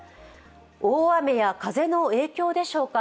大雨や風の影響でしょうか